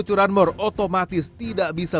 curanmor otomatis tidak bisa